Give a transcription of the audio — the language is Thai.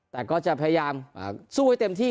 แต่ก็จะพยายามสู้ให้เต็มที่